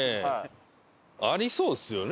ありそうですよね？